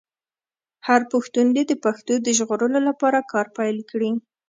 هر پښتون دې د پښتو د ژغورلو لپاره کار پیل کړي.